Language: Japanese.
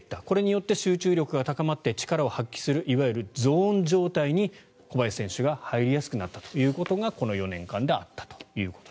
これによって集中力が高まって力を発揮するいわゆるゾーン状態に小林選手が入りやすくなったということがこの４年間であったと。